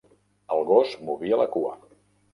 El gos movia la cua.